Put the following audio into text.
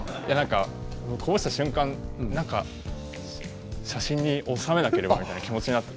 こぼした瞬間写真に収めなければという気持ちになって。